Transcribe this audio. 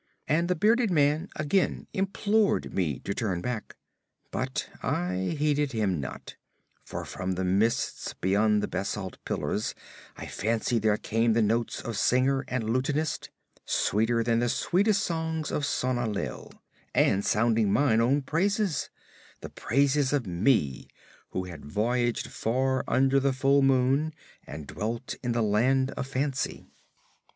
And the bearded man again implored me to turn back, but I heeded him not; for from the mists beyond the basalt pillars I fancied there came the notes of singer and lutanist; sweeter than the sweetest songs of Sona Nyl, and sounding mine own praises; the praises of me, who had voyaged far under the full moon and dwelt in the Land of Fancy.